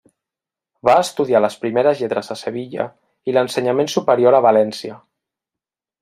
Va estudiar les primeres lletres a Sevilla i l'ensenyament superior a València.